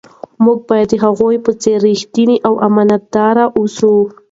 موږ باید د هغوی په څیر ریښتیني او امانتدار واوسو.